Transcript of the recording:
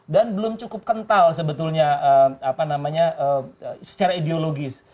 dan belum cukup kental sebetulnya secara ideologis